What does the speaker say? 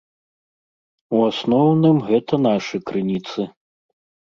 У асноўным гэта нашы крыніцы.